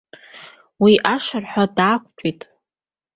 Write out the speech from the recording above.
Уи ашырҳәа даақәтәеит.